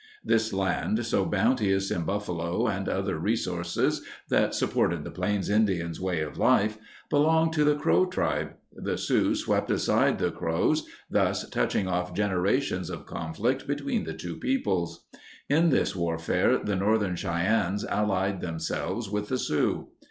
This land, so bounteous in buffalo and other resources that supported the Plains Indians' way of life, belonged to the Crow tribe. The Sioux swept aside the Crows, thus touching off generations of conflict between the two peoples. In this warfare the Northern Cheyennes allied themselves with the Sioux.